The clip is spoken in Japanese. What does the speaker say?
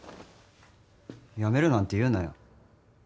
辞めるなんて言うなよ。